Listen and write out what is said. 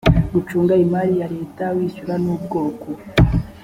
gucunga imari ya leta wishyura n ubwoko